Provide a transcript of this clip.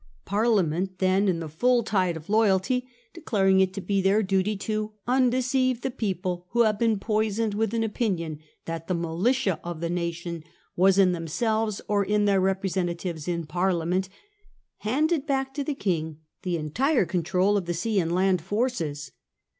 Parliament then, in the full tide of loyalty, declaring it to Control of be their duty to 'undeceive the people who Svento Ae have been P°i sone d with an opinion that the King. militia of the nation was in themselves or in their representatives in Parliament/ handed back to the King the entire control of the sea and land forces.